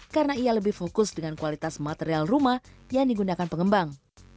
karena ia lebih fokus dengan kualitas material rumah yang digunakan pengembang